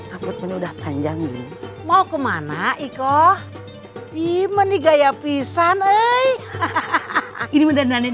aku sudah panjang mau kemana iko imeni gaya pisang eh hahaha ini mendandani